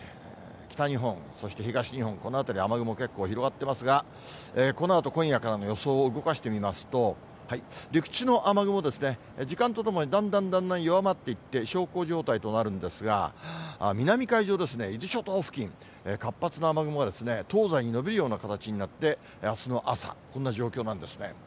北日本、そして東日本、この辺り、雨雲結構広がってますが、このあと今夜からの予想を動かしてみますと、陸地の雨雲ですね、時間とともにだんだんだんだん弱まっていって、小康状態となるんですが、南海上ですね、伊豆諸島付近、活発な雨雲が東西に延びるような形になって、あすの朝、こんな状況なんですね。